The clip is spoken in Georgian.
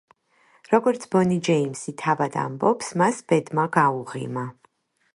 როგორც ბონი ჯეიმსი თავად ამბობს, მას ბედმა გაუღიმა.